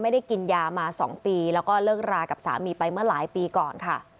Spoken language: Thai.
ไม่ได้กินยามา๒ปีแล้วก็เลิกรากับสามีไปเมื่อหลายปีก่อนค่ะ